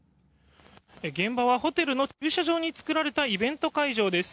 現場はホテルの駐車場に作られたイベント会場です。